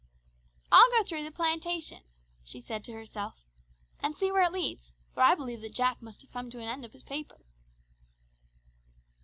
"I'll go through the plantation," she said to herself, "and see where it leads, for I believe that Jack must have come to an end of his paper."